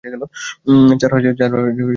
চার হাজার দেরহামও সাথে নিলেন।